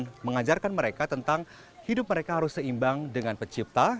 mereka harus menjaga keseimbangan mereka tentang hidup mereka harus seimbang dengan pencipta